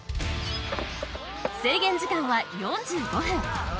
制限時間は４５分。